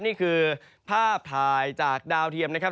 นี่คือภาพถ่ายจากดาวเทียมนะครับ